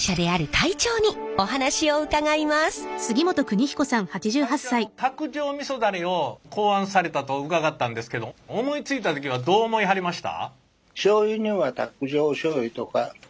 会長あの卓上みそダレを考案されたと伺ったんですけど思いついた時はどう思いはりました？